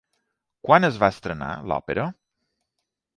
Quan es va estrenar l'òpera?